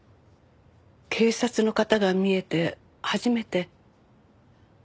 警察の方が見えて初めて一雄の事を。